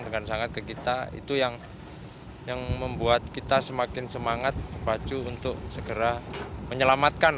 dengan sangat ke kita itu yang yang membuat kita semakin semangat baju untuk segera menyelamatkan